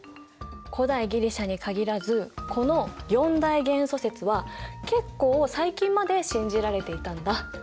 古代ギリシャに限らずこの四大元素説は結構最近まで信じられていたんだ。